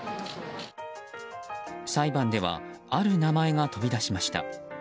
裁判ではある名前が飛び出しました。